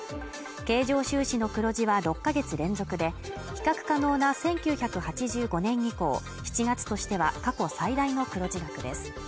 経常収支の黒字は６か月連続で比較可能な１９８５年以降７月としては過去最大の黒字額です